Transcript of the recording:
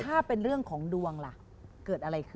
ถ้าเป็นเรื่องของดวงล่ะเกิดอะไรขึ้น